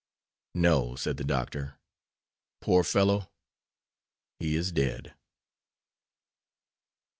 "No," said the doctor, "poor fellow! he is dead."